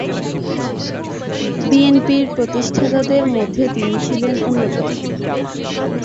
বিএনপির প্রতিষ্ঠাতাদের মধ্যে তিনি ছিলেন অন্যতম।